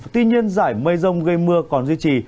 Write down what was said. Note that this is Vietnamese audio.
tuy nhiên giải mây rông gây mưa còn duy trì